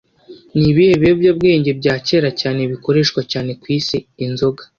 Nibihe biyobyabwenge bya kera cyane bikoreshwa cyane kwisi Inzoga